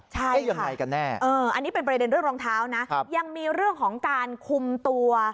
ใช่ยังไงกันแน่อันนี้เป็นประเด็นเรื่องรองเท้านะยังมีเรื่องของการคุมตัว